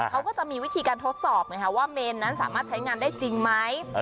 เขาก็จะมีวิธีการทดสอบไงคะว่าเมนนั้นสามารถใช้งานได้จริงไหม